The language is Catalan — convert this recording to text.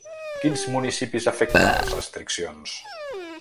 Quins municipis afecten les restriccions?